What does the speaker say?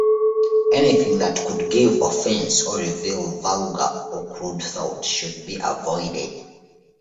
Anything that could give offense or reveal vulgar or crude thoughts should be avoided.